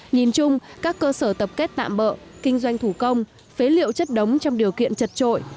nhìn chung các cơ sở tập kết tạm bỡ kinh doanh thủ công phế liệu chất đống trong điều kiện chật trội